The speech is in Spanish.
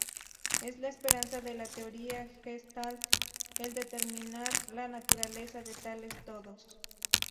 Es la esperanza de la teoría Gestalt el determinar la naturaleza de tales todos.